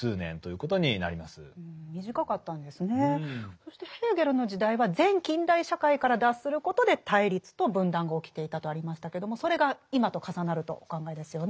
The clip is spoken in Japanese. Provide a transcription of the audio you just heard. そしてヘーゲルの時代は前近代社会から脱することで対立と分断が起きていたとありましたけどもそれが今と重なるとお考えですよね。